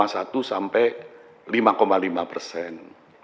satu sampai lima lima persen